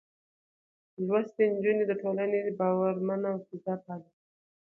لوستې نجونې د ټولنې باورمنه فضا پالي.